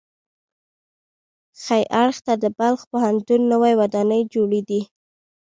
ښي اړخ ته د بلخ پوهنتون نوې ودانۍ جوړې دي.